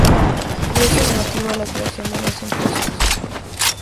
Dio su negativa a la creación de más impuestos.